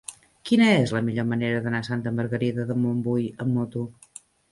Quina és la millor manera d'anar a Santa Margarida de Montbui amb moto?